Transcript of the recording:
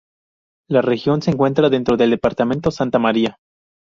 La región se encuentra dentro del departamento Santa María.